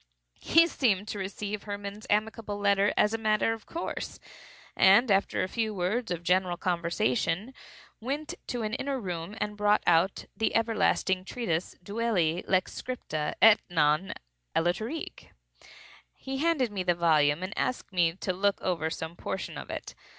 He seemed to receive Hermann's amicable letter as a matter of course, and after a few words of general conversation, went to an inner room and brought out the everlasting treatise "Duelli Lex scripta, et non; aliterque." He handed me the volume and asked me to look over some portion of it.